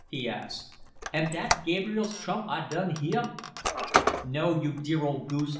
he asked. "Am dat Gabriel's trump I done heah?" "No, you dear old goose!"